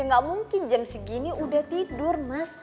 gak mungkin jam segini udah tidur